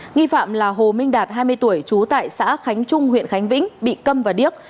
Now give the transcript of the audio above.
nghi phạm là hồ minh đạt hai mươi tuổi trú tại xã khánh trung huyện khánh vĩnh bị cầm và điếc